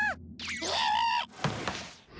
えっ！？